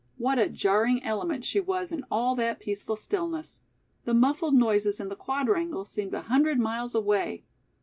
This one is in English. What a jarring element she was in all that peaceful stillness! The muffled noises in the Quadrangle seemed a hundred miles away.